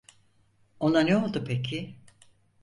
Ona ne oldu peki?